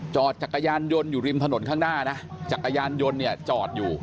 จักรยานยนต์อยู่ริมถนนข้างหน้านะจักรยานยนต์เนี่ยจอดอยู่